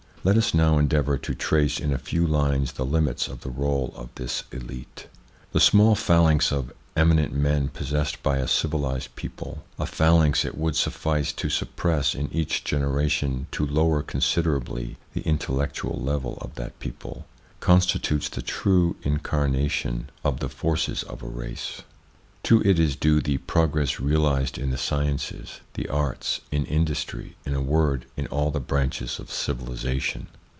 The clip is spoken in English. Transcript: Let us now endeavour to trace in a few lines the limits of the role of this Mite. The small phalanx of eminent men possessed by a civilised people a phalanx it would suffice to suppress in each generation to lower considerably the intellec tual level of that people constitutes the true incarna 199 200 THE PSYCHOLOGY OF PEOPLES: tion of the forces of a race. To it is due the progress realised in the sciences, the arts, in industry, in a word, in all the branches of civilisation.